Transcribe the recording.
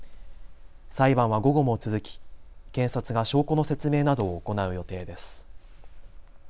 裁判は午後も続き、検察が証拠の説明などを行う予定です。